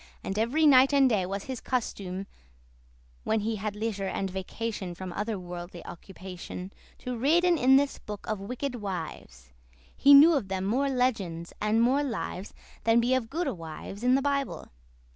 And every night and day was his custume (When he had leisure and vacation From other worldly occupation) To readen in this book of wicked wives. He knew of them more legends and more lives Than be of goodde wives in the Bible.